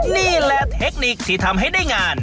นี่แหละเทคนิคที่ทำให้ได้งาน